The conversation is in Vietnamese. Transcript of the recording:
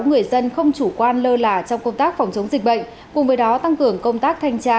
người dân không chủ quan lơ là trong công tác phòng chống dịch bệnh cùng với đó tăng cường công tác thanh tra